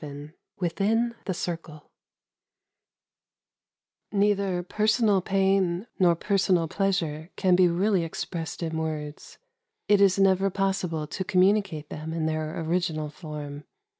XI ■WITHIN THE CIRCLE Neither personal pain nor personal pleas ure can be really expressed in words. It is never possible to communicate tbem in their original form.